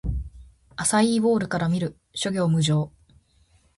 アサイーボウルから見る！諸行無常